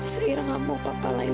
zaira gak mau papa lain